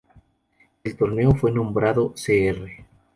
El torneo fue nombrado Cr.